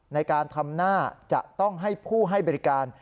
ในการทำหน้าจะต้องให้ผู้ให้บริการ